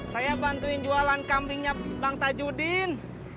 saya bantuin jualan kambingnya bang tajudin